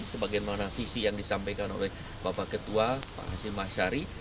sebagaimana visi yang disampaikan oleh bapak ketua pak hasim ashari